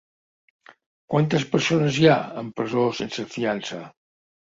Quantes persones hi ha amb presó sense fiança?